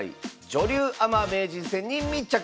女流アマ名人戦に密着！